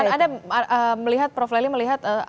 ada melihat prof lely melihat